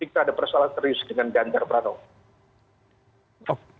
kita ada persoalan serius dengan ganjar pranowo